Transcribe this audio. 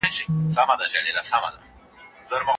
کلیوال به زما په اړه څه فکر کوي؟